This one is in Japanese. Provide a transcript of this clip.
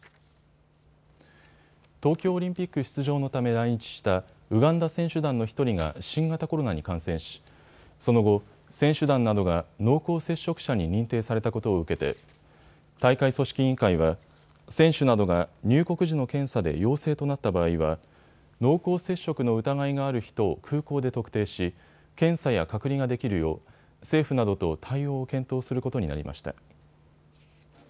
東京オリンピック出場のため来日したウガンダ選手団の１人が新型コロナに感染しその後、選手団などが濃厚接触者に認定されたことを受けて大会組織委員会は選手などが入国時の検査で陽性となった場合は濃厚接触の疑いがある人を空港で特定し検査や隔離ができるよう政府などと対応を検討することになりました。